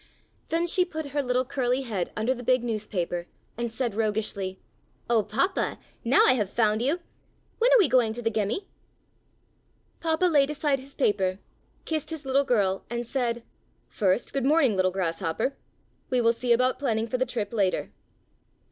Then she put her little curly head under the big newspaper and said roguishly: "Oh, Papa, now I have found you! When are we going to the Gemmi?" Papa laid aside his paper, kissed his little girl and said: "First, good morning, little Grasshopper; we will see about planning for the trip later."